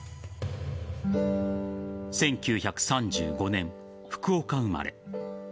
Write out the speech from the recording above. １９３５年、福岡生まれ。